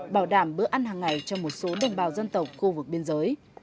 bảo đảm bữa ăn hàng ngày cho một số đồng bào dân tộc khu vực biên giới